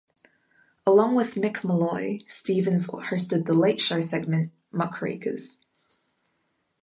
Along with Mick Molloy, Stephens hosted the "Late Show" segment "Muckrakers".